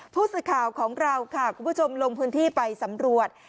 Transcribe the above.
ผู้สื่อข่าวของเราค่ะคุณผู้ชมลงพื้นที่ไปสำรวจ